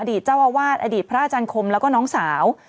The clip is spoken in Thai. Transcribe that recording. เจ้าอาวาสอดีตพระอาจารย์คมแล้วก็น้องสาว